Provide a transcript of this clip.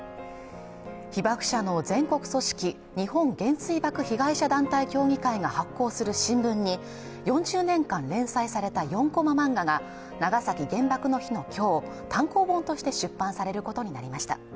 被爆者の全国組織日本原水爆被害者団体協議会が発行する新聞に４０年間連載された４コマ漫画が長崎原爆の日の今日単行本として出版されることになりました